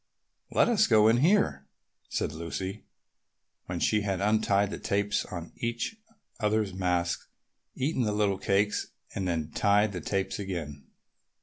"Let us go in here," said Lucy when they had untied the tapes on each other's masks, eaten the little cakes, and then tied the tapes again.